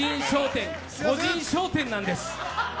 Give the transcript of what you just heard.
個人商店なんです。